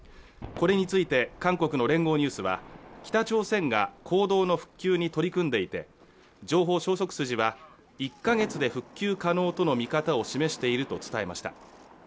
これについて韓国の聯合ニュースは北朝鮮が坑道の復旧に取り組んでいて情報消息筋は１か月で復旧可能との見方を示していると伝えました